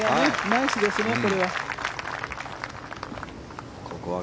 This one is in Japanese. ナイスですね、これは。